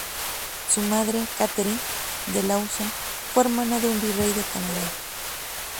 Su madre, Catherine de Lauzon, fue hermana de un virrey de Canadá.